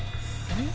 えっ？